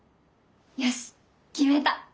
よし決めた。